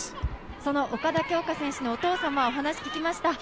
その岡田恭佳選手のお父様にお話を伺いました。